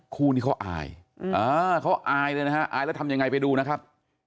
คู่นี้เขาอายเขาอายเลยนะฮะอายแล้วทำยังไงไปดูนะครับ